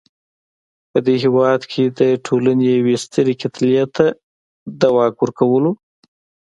په دې هېواد کې د ټولنې یوې سترې کتلې ته د واک ورکولو.